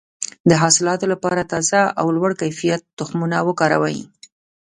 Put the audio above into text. د حاصلاتو لپاره تازه او لوړ کیفیت تخمونه وکاروئ.